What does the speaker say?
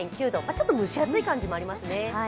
ちょっと蒸し暑い感じもありますね。